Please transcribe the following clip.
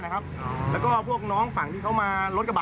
ครับแล้วนั้นมีคนเจ็บไหมครับ